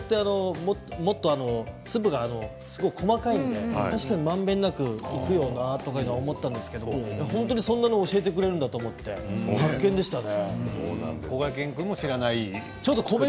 ぎりぎりまで米粉、確かに粒がすごく細かいので確かにまんべんなくいくよなと思ったんですけれどそんなのを教えてくれるんだと思って必見でしたね。